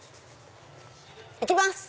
行きます！